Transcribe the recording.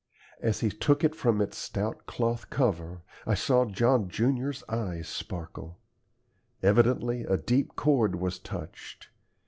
As he took it from its stout cloth cover I saw John junior's eyes sparkle. Evidently a deep chord was touched.